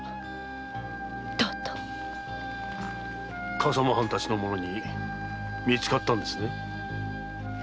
笠間藩の者たちに見つかったんですね？